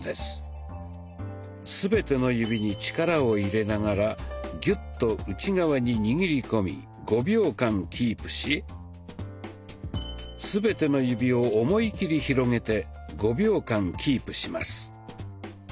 全ての指に力を入れながらギュッと内側に握り込み５秒間キープし全ての指を思い切り広げて５秒間キープします。